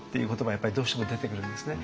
やっぱりどうしても出てくるんですね。